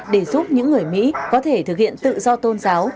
để giúp những người mỹ có thể thực hiện tự do tôn giáo